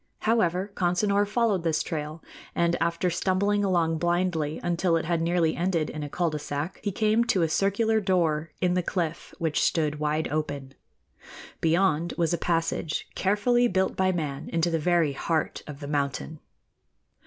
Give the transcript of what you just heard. However, Consinor followed this trail, and after stumbling along blindly until it had nearly ended in a cul de sac, he came to a circular door in the cliff which stood wide open. Beyond was a passage carefully built by man into the very heart of the mountain.